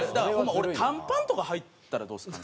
短パンとかはいたらどうですか？